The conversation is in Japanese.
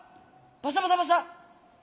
バサバサバサ。